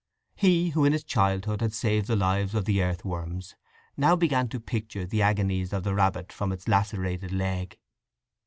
He who in his childhood had saved the lives of the earthworms now began to picture the agonies of the rabbit from its lacerated leg.